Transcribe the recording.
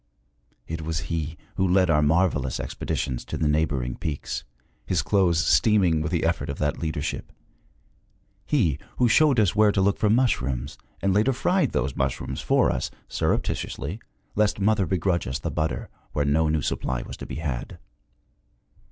It was he who led our marvelous expeditions to the neighboring peaks, his clothes steaming with the effort of that leadership he who showed us where to look for mushrooms, and later fried those mushrooms for us, surreptitiously, lest mother begrudge us the butter where no new supply was to be had.